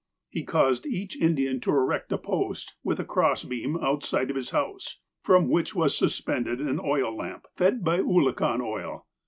He caused each Indian to erect a post, with a cross beam, outside of his house, from which was suspended an oil lamp, fed by oolakan oil.